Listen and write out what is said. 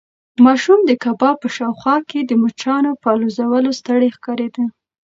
ماشوم د کباب په شاوخوا کې د مچانو په الوزولو ستړی ښکارېده.